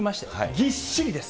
ぎっしりです。